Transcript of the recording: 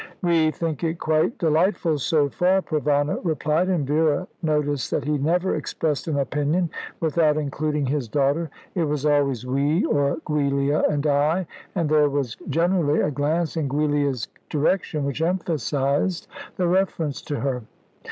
"We think it quite delightful so far," Provana replied, and Vera noticed that he never expressed an opinion without including his daughter. It was always "We," or "Giulia and I," and there was generally a glance in Giulia's direction which emphasised the reference to her.